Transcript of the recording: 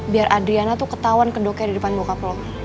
biar adriana tuh ketauan kedoknya di depan bokap lo